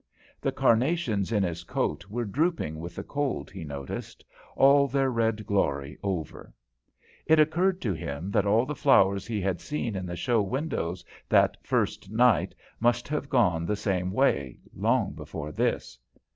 The carnations in his coat were drooping with the cold, he noticed; all their red glory over. It occurred to him that all the flowers he had seen in the show windows that first night must have gone the same way, long before this.